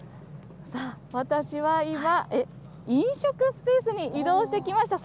さあ、私は今、飲食スペースに移動してきました。